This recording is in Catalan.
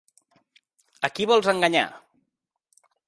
A qui vols enganyar?